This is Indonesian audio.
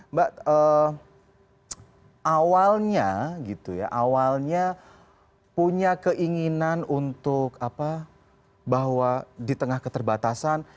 mbak awalnya punya keinginan untuk bahwa di tengah keterbatasan